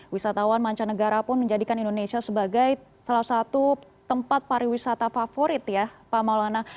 wisatawan mancanegara pun menjadikan indonesia sebagai salah satu tempat pariwisata favorit ya pak maulana